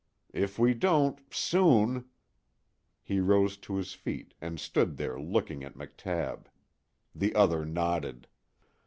If we don't soon " He rose to his feet and stood there looking at McTabb. The other nodded.